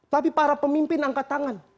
tapi para pemimpin angkat tangan